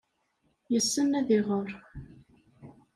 Yessen ad iɣer.